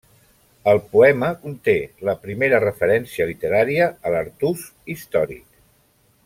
El poema conté la primera referència literària a l'Artús històric.